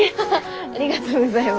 ありがとうございます。